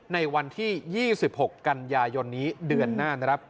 ในวันที่๒๖กันยายนนี้เดือนหน้านะครับ